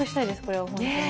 これは本当に。